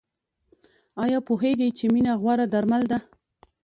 ایا پوهیږئ چې مینه غوره درمل ده؟